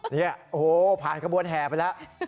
นี่โอ้โหผ่านขบวนแห่ไปแล้ว